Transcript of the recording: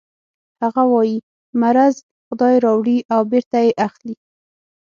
هغه وايي مرض خدای راوړي او بېرته یې اخلي